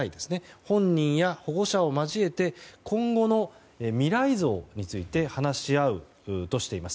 本人や保護者を交えて今後の未来像について話し合うとしています。